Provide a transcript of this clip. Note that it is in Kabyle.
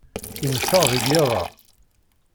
I neffeɣ deg yiḍ-a?